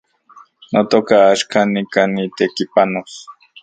Notoka, axkan nikan nitekipanos